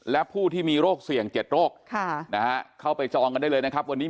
และผู้ที่มีโรคเสี่ยง๗โรคเข้าไปจองกันได้เลยนะครับวันนี้